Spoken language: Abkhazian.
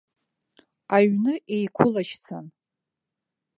Аҩны еиқәылашьцан.